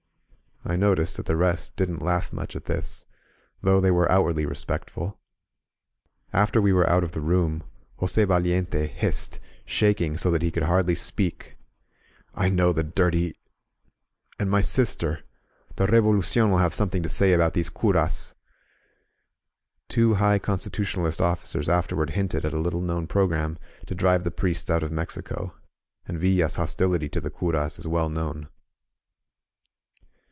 ..." I noticed that the rest didn't laugh much at this, though they were outwardly respectful. After we were out of the room, Jos£ Valiente hissed, shaking so tiiat he could hardly speak: "I know the dirty ! And my sister •..! The Revolucion will have some thing to say about these euros!" Two high Constitu tionalist officers afterward hinted at a little known pro gram to drive the priests out of Mexico; and Villa's hostility to the euros is well known.